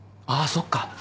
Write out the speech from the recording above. そっか。